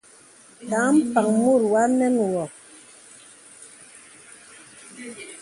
Ka mpàŋ mùt wa nə̀n wɔ.